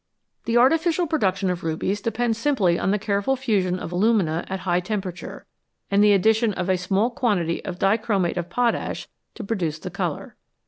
The artificial production of rubies depends simply on the careful fusion of alumina at a high temperature, and the addition of a small quantity of dichromate of potash to produce the colour.